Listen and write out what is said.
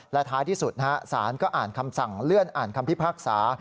และท้ายที่สุดสารก็อ่านคำสั่งเลื่อนอ่านคำพิพากษา